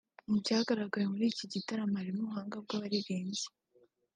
Mu byagaragaye muri iki gitaramo harimo ubuhanga bw’abaririmbyi